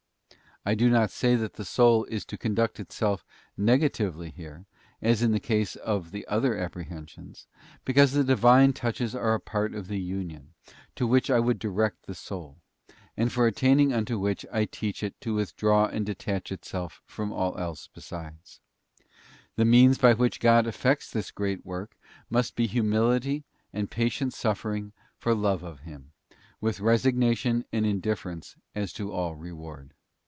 I do not say that the soul is to conduct itself negatively here, as in the case of the other apprehensions; because the Divine touches are a part of the Union, to which I would direct the soul, and for attaining unto which I teach it to withdraw and detach itself from all besides. The means by which God effects this great work must be humility and patient suffering for love of Him, with resignation and indifference as to all reward.